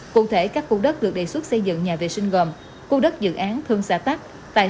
cụ thể các khu đất được đề xuất xây dựng nhà vệ sinh gồm khu đất dự án thương xã tắc tài